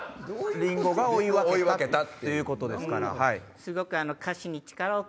リンゴが追分けたっていうことですから？